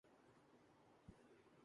بہت جلد مسلمان اس دنیا پر قابض ہوں گے